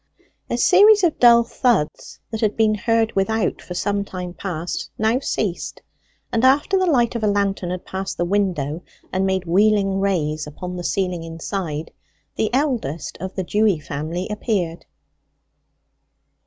A series of dull thuds, that had been heard without for some time past, now ceased; and after the light of a lantern had passed the window and made wheeling rays upon the ceiling inside the eldest of the Dewy family appeared.